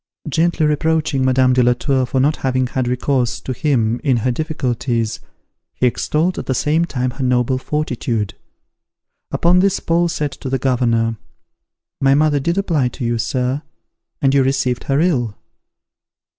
Gently reproaching Madame de la Tour for not having had recourse to him in her difficulties, he extolled at the same time her noble fortitude. Upon this Paul said to the governor, "My mother did apply to you, sir, and you received her ill."